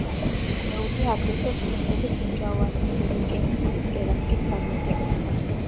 მიკვლეულია აგრეთვე გვიანდელი ბრინჯაო-ადრინდელი რკინის ხანის კერამიკის ფრაგმენტები.